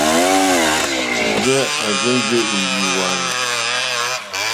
Njɛ̂ à rzênjé ìlìhwòànì.